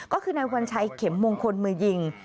ก็คือนายวัญชัยเข็มมงคลมือยิง